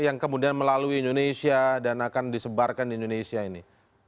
yang kemudian melalui indonesia dan akan disebarkan di indonesia ini